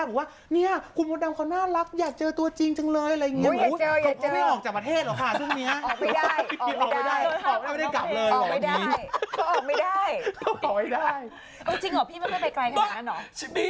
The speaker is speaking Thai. เก่งก็ออกไม่ได้